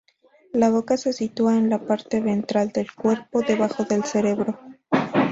La boca se sitúa en la parte ventral del cuerpo, debajo del cerebro.